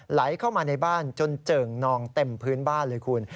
ไหลเข้ามาในบ้านจนเจิ่งนองเต็มพื้นบ้านเลยคุณ